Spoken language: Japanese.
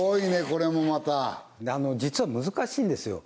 これもまた実は難しいんですよ